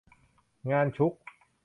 งานชุก